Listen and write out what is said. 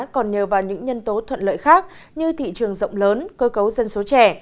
còn nhờ vào những nhân tố thuận lợi khác như thị trường rộng lớn cơ cấu dân số trẻ